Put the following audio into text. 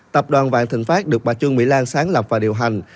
tập đoàn vạn thịnh pháp được bà trương mỹ lan sáng lập và điều hành